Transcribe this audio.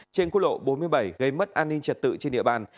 trên quốc lộ bốn mươi bảy gây mất an ninh trật tự trên địa bàn